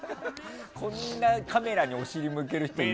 こんなカメラにお尻向ける人いる？